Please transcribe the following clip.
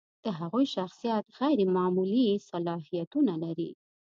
د هغوی شخصیت غیر معمولي صلاحیتونه لري.